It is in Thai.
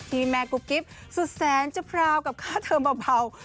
แม่กุ๊บกิ๊บสุดแสนจะพราวกับค่าเทอมเบา